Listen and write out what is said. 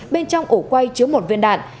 bên trong ổ quay chứa một viên đạn